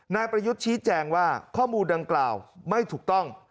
นายประยุทธ์ชี้แจงว่าข้อมูลดังกล่าวไม่ถูกต้อง